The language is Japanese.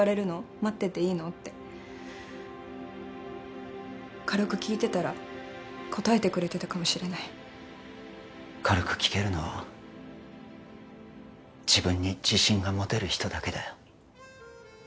待ってていいの？って軽く聞いてたら答えてくれてたかもしれない軽く聞けるのは自分に自信が持てる人だけだよ